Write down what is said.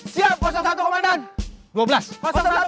siap satu komandan